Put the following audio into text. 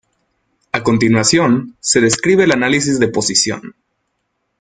A continuación se describe el análisis de posición.